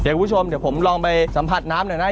เดี๋ยวคุณผู้ชมเดี๋ยวผมลองไปสัมผัสน้ำหน่อยนะ